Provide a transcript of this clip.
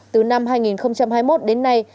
từ năm hai nghìn hai mươi một đến nay